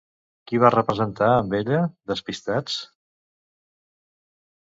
Qui va representar amb ella Despistats?